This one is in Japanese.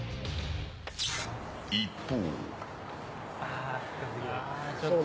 一方。